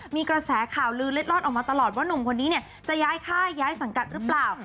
มีกระแสข่าวลือเล็ดลอดออกมาตลอดว่าหนุ่มคนนี้เนี่ยจะย้ายค่ายย้ายสังกัดหรือเปล่า